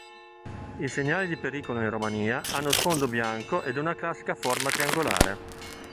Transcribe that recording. I segnali di pericolo in Romania hanno sfondo bianco ed una classica forma triangolare.